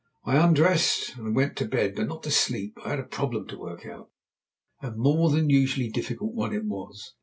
I undressed and went to bed, but not to sleep. I had a problem to work out, and a more than usually difficult one it was.